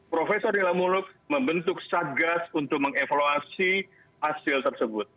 prof rina muluk membentuk sagas untuk mengevaluasi hasil tersebut